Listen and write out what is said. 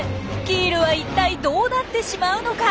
キールは一体どうなってしまうのか？